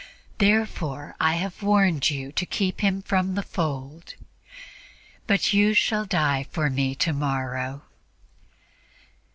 Therefore I have warned you to keep him from the fold. But you shall die for Me tomorrow.'"